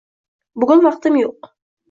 Bugun vaqtim yo'q.